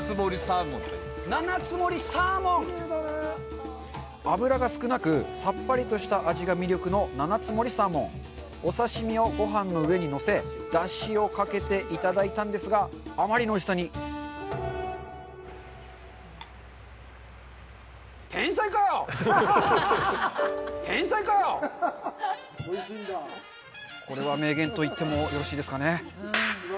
七ツ森サーモン脂が少なくさっぱりとした味が魅力のお刺身をごはんの上に載せだしをかけて頂いたんですがあまりのおいしさにこれは名言と言ってもよろしいですかね